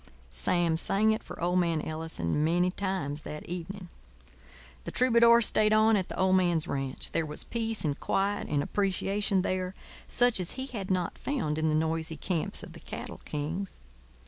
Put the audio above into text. Sam sang it for old man Ellison many times that evening. The troubadour stayed on at the old man's ranch. There was peace and quiet and appreciation there, such as he had not found in the noisy camps of the cattle kings.